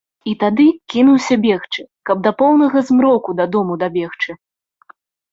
І тады кінуўся бегчы, каб да поўнага змроку да дому дабегчы.